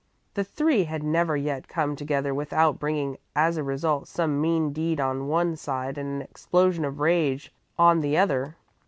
The three had never yet come together without bringing as a result some mean deed on one side and an explosion of rage on the other.